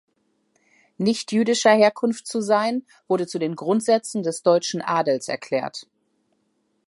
Nicht jüdischer Herkunft zu sein wurde zu den Grundsätzen des deutschen Adels erklärt.